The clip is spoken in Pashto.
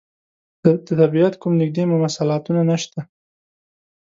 د طبعیت کوم نږدې مماثلاتونه نشته.